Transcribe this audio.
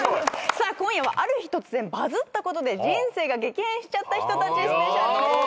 さあ今夜はある日突然バズったことで人生が激変しちゃった人たちスペシャルです。